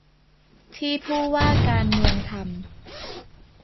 ที่ผู้ว่าการเมืองทำ